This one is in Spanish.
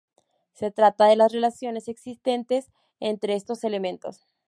Se trata de las relaciones existentes entre estos elementos.